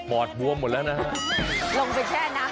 หมอดบัวหมดแล้วนะฮะ